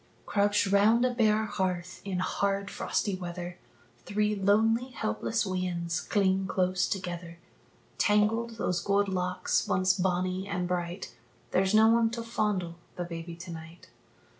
Crouched round a bare hearth in hard, frosty weather, Three lonely helpless weans cling close together; Tangled those gold locks, once bonnie and bright There's no one to fondle the baby to night.